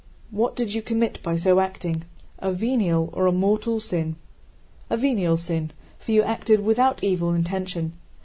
What did you commit by so acting? A venial, or a mortal, sin? A venial sin, for you acted without evil intention.